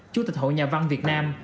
chủ tịch hội nhà văn việt nam